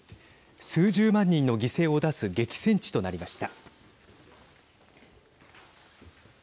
数十万人の犠牲を出す激戦地となりました。